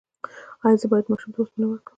ایا زه باید ماشوم ته اوسپنه ورکړم؟